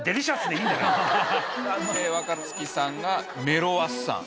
で若槻さんがメロワッサン。